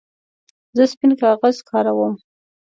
زه سپین کاغذ کاروم.